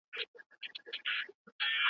تاسو کولای سئ چي زما کتابتون وګورئ.